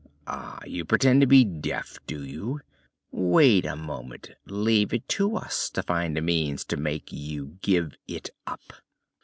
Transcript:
"Ah! you pretend to be deaf, do you? Wait a moment, leave it to us to find a means to make you give it up."